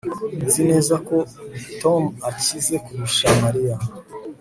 Nzi neza ko Tom akize kurusha Mariya